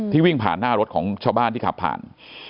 วิ่งผ่านหน้ารถของชาวบ้านที่ขับผ่าน